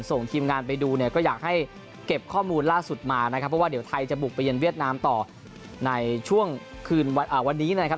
ส่งทีมงานไปดูเนี่ยก็อยากให้เก็บข้อมูลล่าสุดมานะครับเพราะว่าเดี๋ยวไทยจะบุกไปเย็นเวียดนามต่อในช่วงคืนวันนี้นะครับ